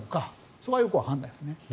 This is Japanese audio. そこはよくわからないですね。